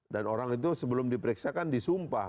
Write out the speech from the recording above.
dan orang itu sebelum diperiksakan disumpah